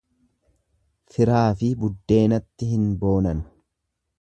Firaafi buddeenatti hin boonan.